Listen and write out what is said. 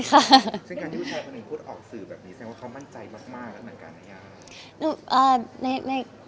แสดงว่าเขามั่นใจมากแล้วกันไง